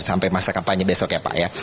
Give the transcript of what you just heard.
sampai masa kampanye besok ya pak ya